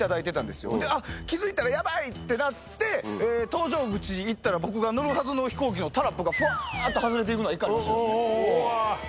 気付いたら「ヤバい！」ってなって搭乗口行ったら僕が乗るはずの飛行機のタラップがふわっと外れて行くのが。